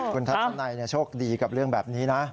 คุณทัศนัยโชคดีกับเรื่องแบบนี้นะ